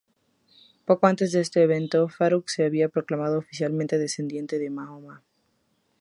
Poco antes de este evento, Faruq se había proclamado oficialmente descendiente de Mahoma.